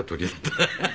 ハハハハ。